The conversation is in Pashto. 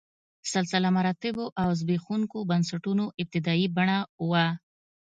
سلسله مراتبو او زبېښونکو بنسټونو ابتدايي بڼه وه.